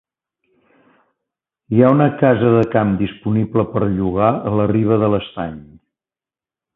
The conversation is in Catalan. Hi ha una casa de camp disponible per llogar a la riba de l'estany.